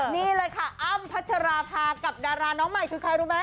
นี่เลยค่ะอ้ำพัชราภากับดาราน้องใหม่คือใครรู้ไหม